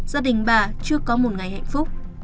gia đình bà chưa có một ngày hạnh phúc